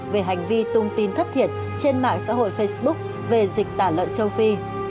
về hành vi tung tin thất thiệt trên mạng xã hội facebook về dịch tả lợn châu phi